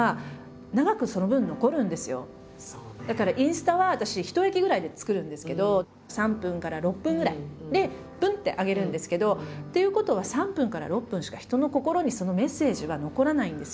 だからインスタは私一駅ぐらいで作るんですけど３分から６分ぐらいでプンって上げるんですけどっていうことは３分から６分しか人の心にそのメッセージは残らないんですよ。